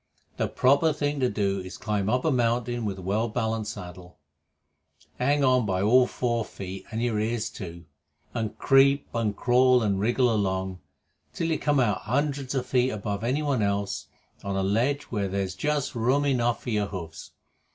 The proper thing to do is to climb up a mountain with a well balanced saddle, hang on by all four feet and your ears too, and creep and crawl and wriggle along, till you come out hundreds of feet above anyone else on a ledge where there's just room enough for your hoofs.